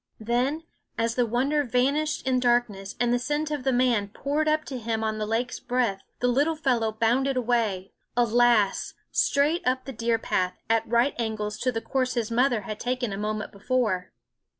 Then, as the wonder vanished in darkness and the scent of the man poured up to him on the lake's breath, the little fellow bounded away alas ! straight up the deer path, at right angles to the course his mother had taken a moment before.